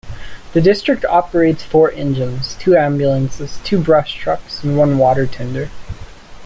The District operates four engines, two ambulances, two brush trucks, and one water tender.